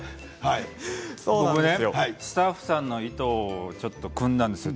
スタッフさんの意図をくんだんですよ。